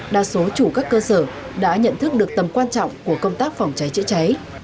đa số chủ các cơ sở đã nhận thức được tầm quan trọng của công tác phòng cháy chữa cháy